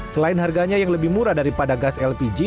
selain harganya yang lebih murah daripada gas lpg